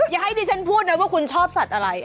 อย่าให้ดิฉันพูดนะว่าคุณชอบสัตว์อะไร